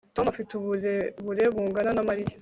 Tom afite uburebure bungana na Mariya